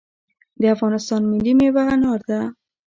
د افغانستان ملي میوه انار ده